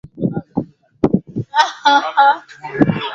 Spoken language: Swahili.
Fasihi hukusudia kuelimisha hadhira kuhusu jamii, mazingira.